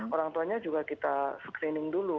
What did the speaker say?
orang tuanya juga kita screening dulu